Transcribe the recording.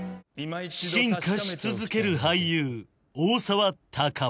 進化し続ける俳優大沢たかお